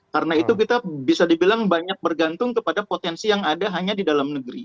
karena itu kita bisa dibilang banyak bergantung kepada potensi yang ada hanya di dalam negeri